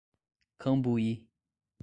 Cambuí